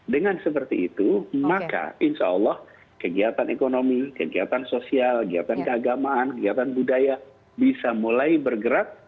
dengan seperti itu maka insya allah kegiatan ekonomi kegiatan sosial kegiatan keagamaan kegiatan budaya bisa mulai bergerak